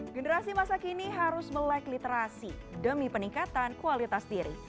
generasi masa kini harus melek literasi demi peningkatan kualitas diri